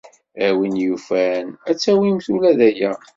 A win yufan, ad tawimt ula d aya.